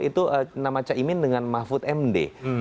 itu nama caimin dengan mahfud md